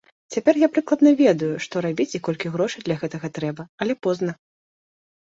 Цяпер я прыкладна ведаю, што рабіць і колькі грошай для гэтага трэба, але позна.